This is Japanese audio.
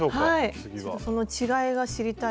ちょっとその違いが知りたい。